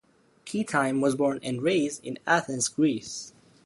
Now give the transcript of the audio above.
Ketime was born and raised in Athens, Greece.